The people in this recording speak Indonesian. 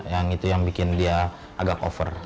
yang itu yang bikin dia agak over